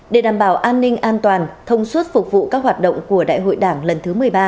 để đảm bảo an ninh an toàn thông suốt phục vụ các hoạt động của đại hội đảng lần thứ một mươi ba